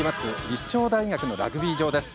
立正大学のラグビー場です。